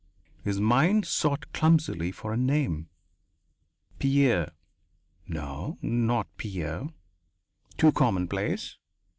His mind sought clumsily for a name. Pierre no, not Pierre; too common place!